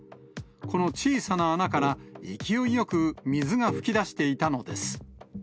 この小さな穴から、勢いよく水が噴き出していたのです。